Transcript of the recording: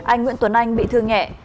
anh nguyễn tuấn anh bị thương nhẹ